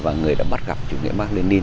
và người đã bắt gặp chủ nghĩa